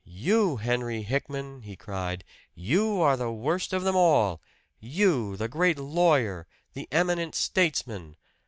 "You, Henry Hickman!" he cried. "You are the worst of them all! You, the great lawyer the eminent statesman!